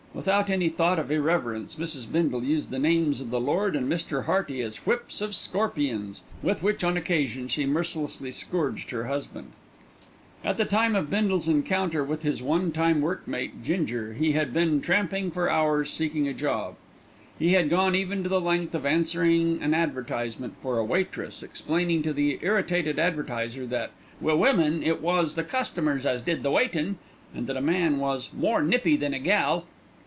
Without any thought of irreverence, Mrs. Bindle used the names of the Lord and Mr. Hearty as whips of scorpions with which on occasion she mercilessly scourged her husband. At the time of Bindle's encounter with his onetime work mate, Ginger, he had been tramping for hours seeking a job. He had gone even to the length of answering an advertisement for a waitress, explaining to the irritated advertiser that "wi' women it was the customers as did the waitin'," and that a man was "more nippy than a gal."